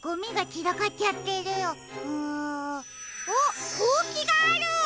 あっほうきがある！